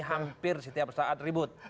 hampir setiap saat ribut